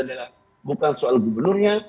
adalah bukan soal gubernurnya